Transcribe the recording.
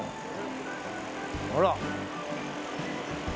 あら。